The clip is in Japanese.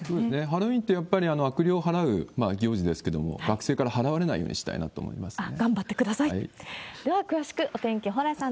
ハロウィーンってやっぱり悪霊を払う行事ですけれども、学生から払われないようにしたいなと思いますね。